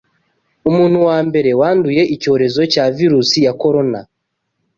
Umuntu wambere wanduye icyorezo cya virus ya corona